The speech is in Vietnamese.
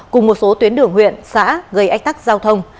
cùng một số tuyến đường huyện xã gây ách tắc giao thông